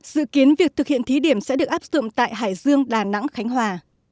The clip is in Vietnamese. dự kiến việc thực hiện thí điểm sẽ được áp dụng tại hải dương đà nẵng khánh hòa